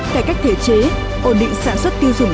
cải cách thể chế ổn định sản xuất tiêu dùng